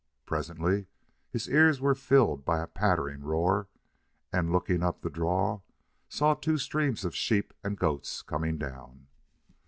Presently his ears were filled by a pattering roar and, looking up the draw, he saw two streams of sheep and goats coming down.